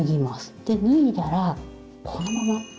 で脱いだらこのまま。